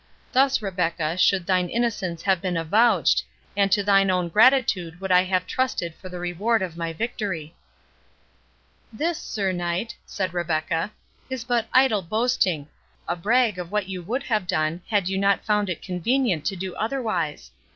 Thus, Rebecca, should thine innocence have been avouched, and to thine own gratitude would I have trusted for the reward of my victory." "This, Sir Knight," said Rebecca, "is but idle boasting—a brag of what you would have done had you not found it convenient to do otherwise.